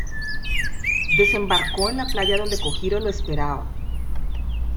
Desembarcó en la playa donde Kojiro lo esperaba.